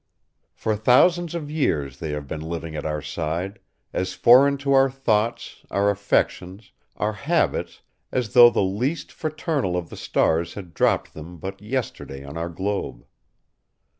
For thousands of years, they have been living at our side, as foreign to our thoughts, our affections, our habits as though the least fraternal of the stars had dropped them but yesterday on our globe.